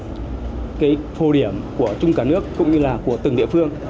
phân tích phô điểm của chung cả nước cũng như là của từng địa phương